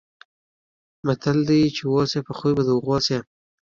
متل دی: چې اوسې په خوی به د هغو شې.